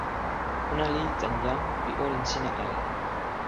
ona li tan jan pi olin sina ala.